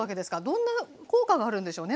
どんな効果があるんでしょうね？